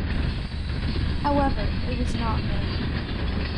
However it was not made.